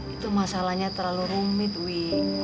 itu masalahnya terlalu rumit wi